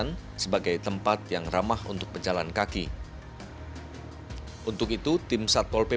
nah saya ingin aku nggak nyertai typhoon typhoon